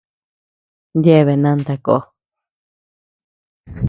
Yebea nanta kó.